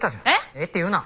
「えっ？」って言うな。